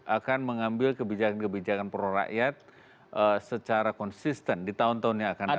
akan mengambil kebijakan kebijakan prorakyat secara konsisten di tahun tahun yang akan datang